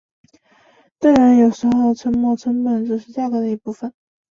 当然有时候沉没成本只是价格的一部分。